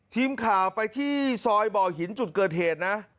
ทีมข่าวไปที่ซอยบ่อหินจุดเกิดเหตุนะ